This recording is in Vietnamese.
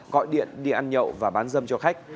gọi điện đi ăn nhậu và bán dâm cho khách